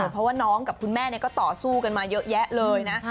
เพราะว่าน้องกับคุณแม่ก็ต่อสู้กันมาเยอะแยะเลยนะ